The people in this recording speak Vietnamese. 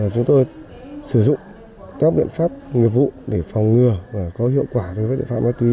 chúng tôi sử dụng các biện pháp nghiệp vụ để phòng ngừa và có hiệu quả đối với tội phạm ma túy